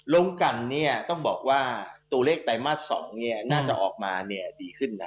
ลงกันเนี่ยต้องบอกว่าตัวเลขไตรมาส๒น่าจะออกมาดีขึ้นนะ